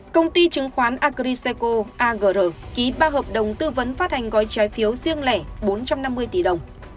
công ty chứng khoán acriseco agr ký ba hợp đồng tư vấn phát hành gói trái phiếu riêng lẻ bốn trăm năm mươi tỷ đồng